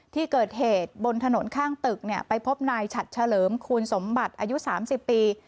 ที่เกิดเหตุบนถนนข้างตึกไปพบนายฉัดเฉลิมคูณสมบัติอายุ๓๐ปี